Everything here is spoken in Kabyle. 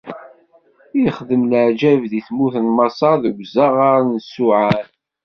Ixdem leɛǧayeb di tmurt n Maṣer, deg uẓaɣar n Ṣuɛan.